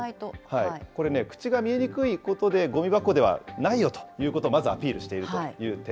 これね、口が見えにくいことで、ごみ箱ではないよということをまずアピールしていこうという点。